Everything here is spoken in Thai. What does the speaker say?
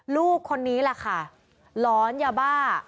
ลูกคนนี้แหละค่ะหลอนยาบ้า